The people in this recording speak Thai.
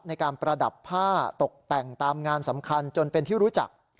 ในการประดับผ้าตกแต่งตามงานสำคัญจนเป็นที่รู้จัก